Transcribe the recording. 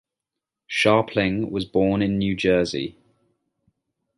Scharpling was born in New Jersey.